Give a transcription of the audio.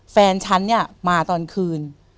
แฟนฉันเนี่ยมาตอนคืน